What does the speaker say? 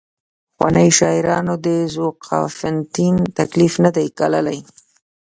پخوانیو شاعرانو د ذوقافیتین تکلیف نه دی ګاللی.